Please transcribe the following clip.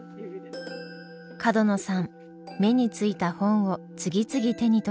角野さん目についた本を次々手に取ります。